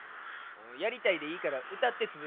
やりたいでいいからうたってつづき。